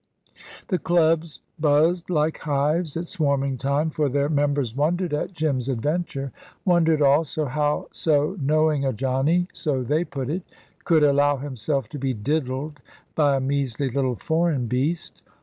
The clubs buzzed like hives at swarming time, for their members wondered at Jim's adventure; wondered, also, how "so knowing a Johnny" so they put it "could allow himself to be diddled by a measly little foreign beast."